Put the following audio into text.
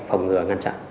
phòng ngừa ngăn chặn